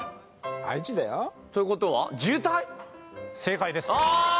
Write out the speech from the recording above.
愛知だよということは正解ですあーっ！